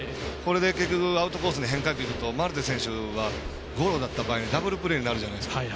結局、アウトコースにストレートいくとマルテ選手がゴロだった場合ダブルプレーになるじゃないですか。